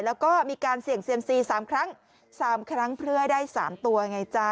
แล้วก็มีการเสี่ยงเซียมซี๓ครั้ง๓ครั้งเพื่อให้ได้๓ตัวไงจ๊ะ